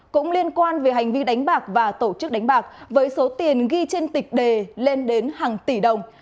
cũng liên quan về hành vi đánh bạc và tổ chức đánh bạc với số tiền ghi trên tịch đề lên đến hàng tỷ đồng